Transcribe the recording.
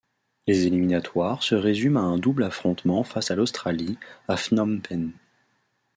Les éliminatoires se résument à un double affrontement face à l'Australie, à Phnom Penh.